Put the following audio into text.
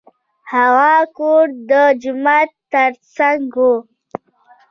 هغه کور د جومات تر څنګ و.